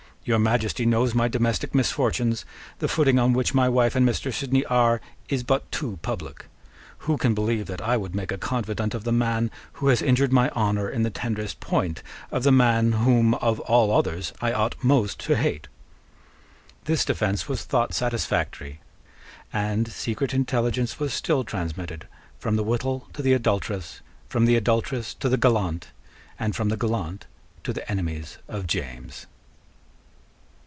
Your Majesty knows my domestic misfortunes. The footing on which my wife and Mr. Sidney are is but too public. Who can believe that I would make a confidant of the man who has injured my honour in the tenderest point, of the man whom, of all others, I ought most to hate?" This defence was thought satisfactory; and secret intelligence was still transmitted from the wittol to the adulteress, from the adulteress to the gallant, and from the gallant to the enemies of James.